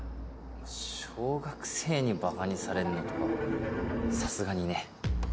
小学生にばかにされるのとかさすがにね。